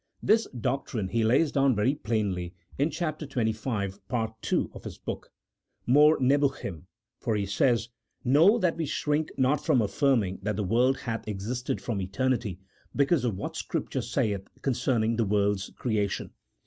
This doctrine he lays down very plainly in chap. xxv. part ii. of his book, "" More Nebuchim," for he says :" Know that we shrink not from affirming that the world hath existed from eter nity, because of what Scripture saith concerning the world's creation.